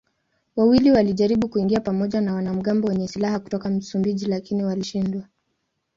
Wawili walijaribu kuingia pamoja na wanamgambo wenye silaha kutoka Msumbiji lakini walishindwa.